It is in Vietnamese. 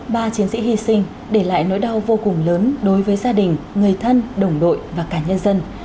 ba chiến sĩ hy sinh để lại nỗi đau vô cùng lớn đối với gia đình người thân đồng đội và cả nhân dân